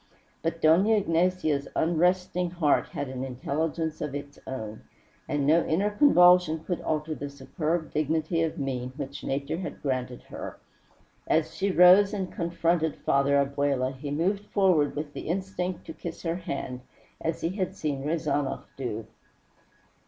But Dona Ignacia's unresting heart had an intelligence of its own, and no inner convulsion could alter the superb dignity of mien which Nature had granted her. As she rose and confronted Father Abella he moved forward with the instinct to kiss her hand, as he had seen Rezanov do.